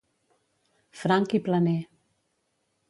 Franc i planer.